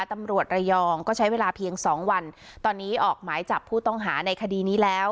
ตำรวจระยองก็ใช้เวลาเพียงสองวันตอนนี้ออกหมายจับผู้ต้องหาในคดีนี้แล้ว